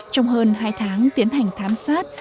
trong hơn hai tháng tiến hành thám sát